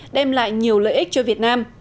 đem lại nhiều lợi ích cho việt nam